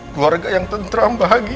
keluarga yang tentram bahagia